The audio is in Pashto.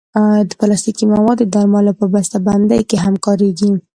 پلاستيکي مواد د درملو په بستهبندۍ کې هم کارېږي.